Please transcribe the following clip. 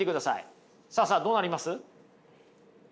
さあさあどうなります？